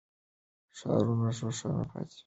ښارونه روښانه پاتې کېږي.